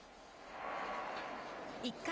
１回。